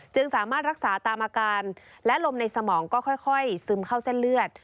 สามารถรักษาตามอาการและลมในสมองก็ค่อยซึมเข้าเส้นเลือด